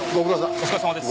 お疲れさまです。